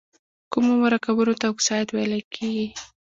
کومو مرکبونو ته اکساید ویل کیږي؟